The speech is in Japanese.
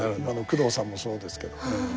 工藤さんもそうですけど。